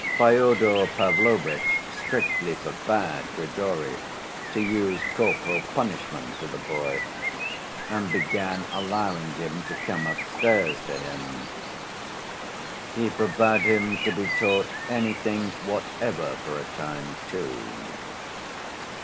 Fyodor Pavlovitch strictly forbade Grigory to use corporal punishment to the boy, and began allowing him to come upstairs to him. He forbade him to be taught anything whatever for a time, too.